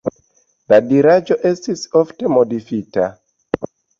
La diraĵo estis ofte modifita.